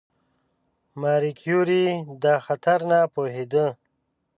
ماري کیوري دا خطر نه پوهېده.